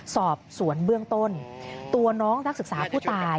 สอบสวนเบื้องต้นตัวน้องนักศึกษาผู้ตาย